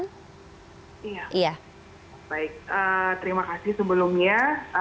terima kasih sebelumnya